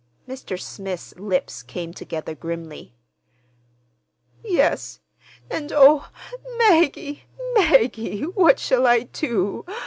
Mr. Smith's lips came together grimly. "Yes; and—Oh, Maggie, Maggie, what shall I do?